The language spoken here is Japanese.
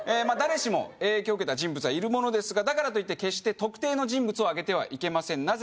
誰しも影響を受けた人物はいるものですがだからといって決して特定の人物を挙げてはいけません